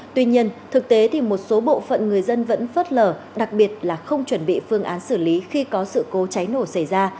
tuy nhiên thực tế thì một số bộ phận người dân vẫn phớt lờ đặc biệt là không chuẩn bị phương án xử lý khi có sự cố cháy nổ xảy ra